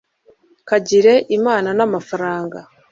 kagire imana n'amafaranga